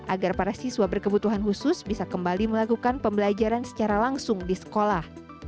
agar para siswa berkebutuhan khusus bisa kembali melakukan pembelajaran secara langsung di sekolah